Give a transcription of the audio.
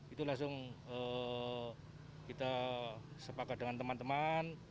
itu langsung kita sepakat dengan teman teman